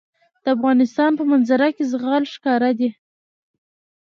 د افغانستان په منظره کې زغال ښکاره ده.